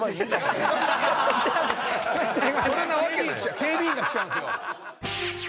警備員が来ちゃうんですよ。